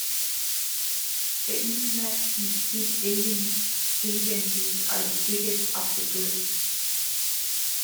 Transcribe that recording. The internet and speed dating agencies are the biggest of the group.